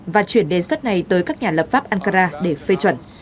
và chuyển đề xuất này tới các nhà lập pháp ankara để phê chuẩn